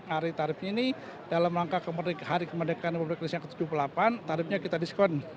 hari tarifnya ini dalam langkah hari kemerdekaan publik kelas tujuh puluh delapan tarifnya kita diskon